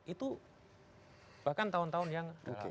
itu bahkan tahun tahun yang